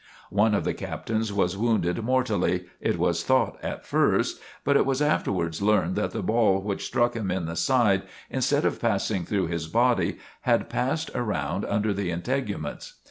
One of the captains was wounded mortally, it was thought at first, but it was afterwards learned that the ball which struck him in the side, instead of passing through his body, had passed around under the integuments.